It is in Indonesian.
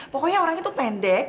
pokoknya orangnya tuh pendek